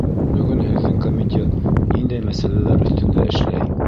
— Бөгөн һеҙҙең комитет ниндәй мәсьәләләр өҫтөндә эшләй?